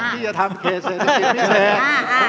ที่จะทำเขตเศรษฐกิจนี่แหละ